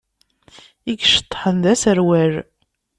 I iceṭṭḥen d aserwal.